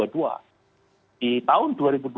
di tahun dua ribu dua puluh